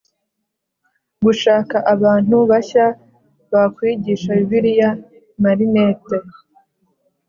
Gushaka abantu bashya bakwigisha bibiliya marinette